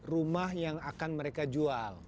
rumah yang akan mereka jual